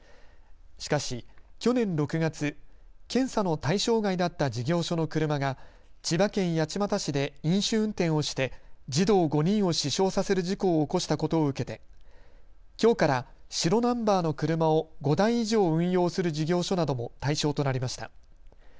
しかし去年６月、検査の対象外だった事業所の車が千葉県八街市で飲酒運転をして児童５人を死傷させる事故を起こしたことを受けてきょうから白ナンバーの車を５台以上運用する事業所なども対象となりました。